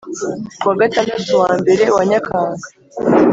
Ku wa Gatandatu wa mbere wa Nyakanga